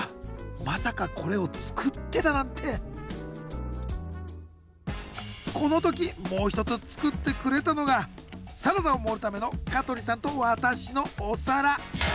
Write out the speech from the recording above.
まさかこれを作ってたなんてこの時もう一つ作ってくれたのがサラダを盛るための香取さんと私のお皿